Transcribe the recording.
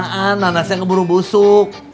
kebanyakan nanasnya keburu busuk